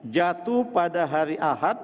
jatuh pada hari ahad